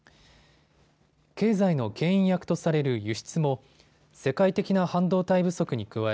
経済のけん引役とされる輸出も世界的な半導体不足に加え